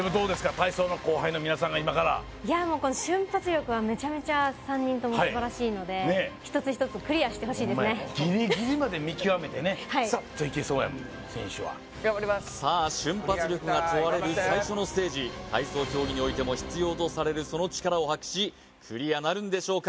体操の後輩の皆さんが今からいやもうこの瞬発力はめちゃめちゃ３人とも素晴らしいので一つ一つクリアしてほしいですねホンマやギリギリまで見極めてねさっといけそうやもん選手は頑張りますさあ瞬発力が問われる最初のステージ体操競技においても必要とされるその力を発揮しクリアなるんでしょうか？